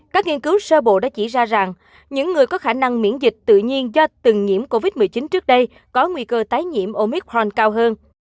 các nghiên cứu sơ bộ đã chỉ ra rằng những người có khả năng miễn dịch tự nhiên do từng nhiễm covid một mươi chín trước đây có nguy cơ tái nhiễm omitron cao hơn